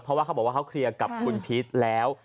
เพราะว่าเขาบอกว่าเขาเคลียร์กับคุณพีชแล้ว